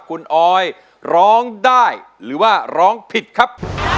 คุณออยร้องได้หรือว่าร้องผิดครับ